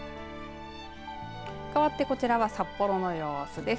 かわってこちらは札幌の様子です。